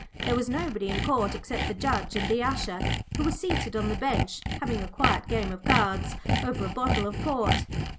There was nobody in Court except the Judge and the Usher, who were seated on the bench having a quiet game of cards over a bottle of port.